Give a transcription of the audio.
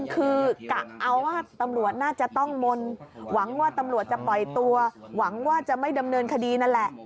คือกะเอาว่าตำรวจน่าจะต้องมนต์หวังว่าตำรวจจะปล่อยตัวหวังว่าจะไม่ดำเนินคดีนั่นแหละ